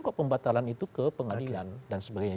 kok pembatalan itu ke pengadilan dan sebagainya